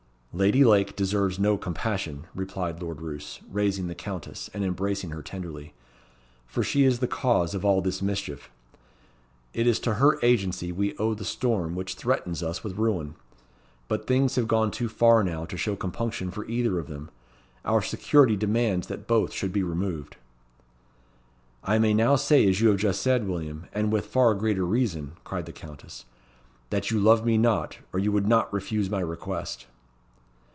"Lady Lake deserves no compassion," replied Lord Roos, raising the Countess, and embracing her tenderly, "for she is the cause of all this mischief. It is to her agency we owe the storm which threatens us with ruin. But things have gone too far now to show compunction for either of them. Our security demands that both should be removed." "I may now say as you have just said, William, and with, far greater reason," cried the Countess, "that you love me not, or you would not refuse my request."